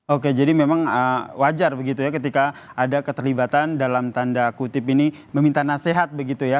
oke jadi memang wajar begitu ya ketika ada keterlibatan dalam tanda kutip ini meminta nasihat begitu ya